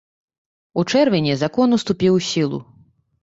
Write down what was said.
У чэрвені закон уступіў у сілу.